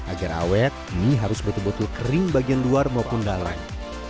agar awet mie harus betul betul kering bagian luar maupun dalam